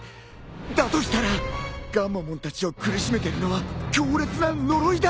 だとしたらガンマモンたちを苦しめてるのは強烈な呪いだ！